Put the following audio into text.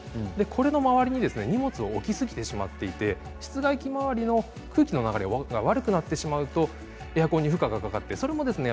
これの周りに荷物を置きすぎてしまっていて室外機周りの空気の流れが悪くなってしまうとエアコンに負荷がかかってそれもですね